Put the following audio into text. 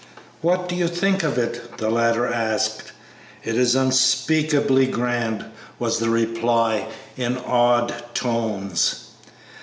"What do you think of it?" the latter asked. "It is unspeakably grand," was the reply, in awed tones.